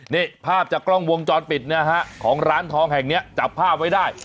นี่ภาพจากกล้องวงจรปิดนะฮะของร้านทองแห่งนี้จับภาพไว้ได้